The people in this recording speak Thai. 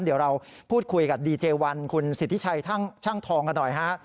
เดี๋ยวเราพูดคุยกับดีเจวันคุณสิทธิชัยช่างทองกันหน่อยฮะ